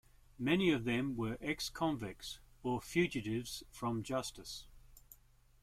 Many of them were ex-convicts or fugitives from justice.